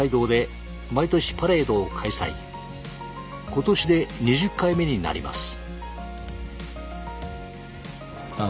今年で２０回目になります。